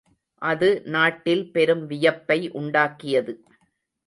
அது நாட்டில் பெரும் வியப்பை உண்டாக்கியது.